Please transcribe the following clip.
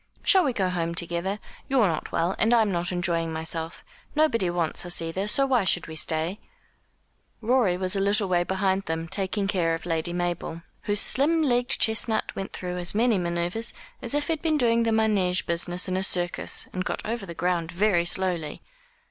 "Shall we go home together? You're not well, and I'm not enjoying myself. Nobody wants us, either; so why should we stay?" Rorie was a little way behind them, taking care of Lady Mabel, whose slim legged chestnut went through as many manoeuvres as if he had been doing the manège business in a circus, and got over the ground very slowly.